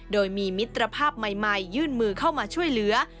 โดยมีมิตรภาพใหม่ยื่นมือเข้ามาช่วยเหลือ